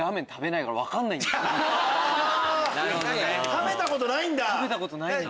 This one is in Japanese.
食べたことないんだ。